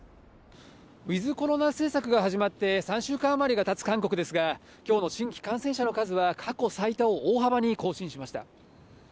ウィズコロナ政策が始まって３週間余りがたつ韓国ですが、きょうの新規感染者の数は過去最多を大幅に更新しました。